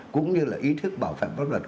cũng như là ý thức bảo phạm pháp luật